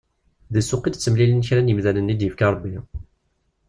Deg ssuq i d-ttemlilin kra n yimdanen i d-yefka Rebbi.